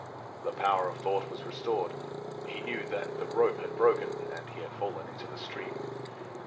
The power of thought was restored; he knew that the rope had broken and he had fallen into the stream.